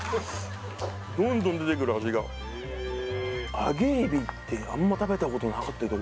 どんどん出てくる味が・へえ揚げエビってあんま食べたことなかったけど